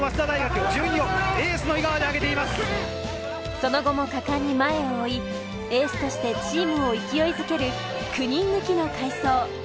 その後も果敢に前を追い、エースとしてチームを勢いづける９人抜きの快走。